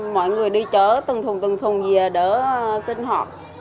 mọi người đi chớ từng thùng từng thùng gì là đỡ sinh hoạt